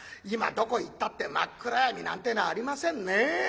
今どこ行ったって真っ暗闇なんてのはありませんね。